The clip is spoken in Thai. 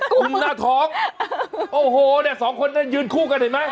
ุ่มหน้าท้องโอ้โหเนี่ยสองคนนั้นยืนคู่กันเห็นไหม